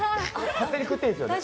勝手に食っていいんですよね？